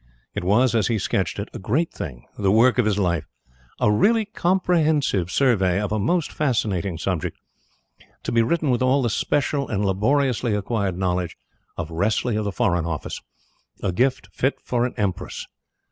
It was, as he sketched it, a great thing the work of his life a really comprehensive survey of a most fascinating subject to be written with all the special and laboriously acquired knowledge of Wressley of the Foreign Office a gift fit for an Empress.